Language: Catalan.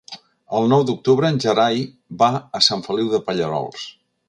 El nou d'octubre en Gerai va a Sant Feliu de Pallerols.